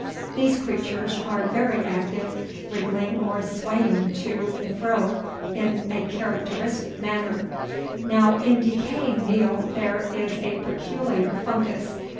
These creatures are very active, wriggling or swaying to and fro in a characteristic manner. Now in decaying meal there is a peculiar fungus.